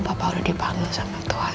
papa udah dipanggil sama tuhan